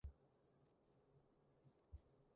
辣到飛起